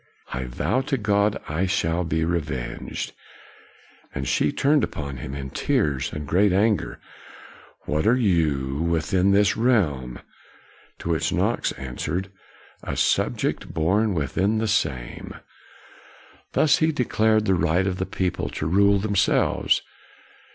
I vow to God I shall be revenged.'' And she turned upon him, in tears and great anger. " What are you within this realm? " To which Knox answered, " A subject born within the same." KNOX 141 Thus he declared the right of the people to rule themselves.